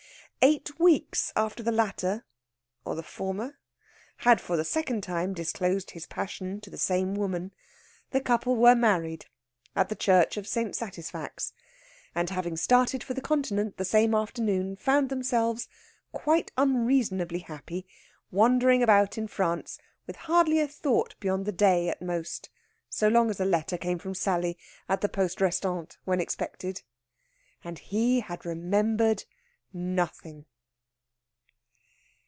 Eight weeks after the latter (or the former?) had for the second time disclosed his passion to the same woman, the couple were married at the church of St. Satisfax, and, having started for the Continent the same afternoon, found themselves, quite unreasonably happy, wandering about in France with hardly a thought beyond the day at most, so long as a letter came from Sally at the postes restantes when expected. And he had remembered nothing!